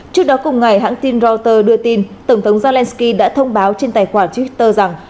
trước đó cùng ngày hãng tin reuters đưa tin tổng thống zelenskyy đã thông báo trên tài khoản twitter rằng